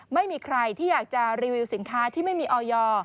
ไม่มีใครที่อยากจะรีวิวสินค้าที่ไม่มีออยอร์